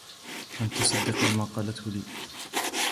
لن تصدّقي ما قالته لي!